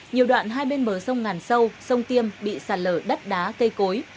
nhiều đoạn hai bên bờ sông ngàn sâu sông tiêm bị sạt lở đất đá cây cối